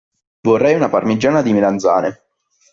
Vorrei una parmigiana di melanzane.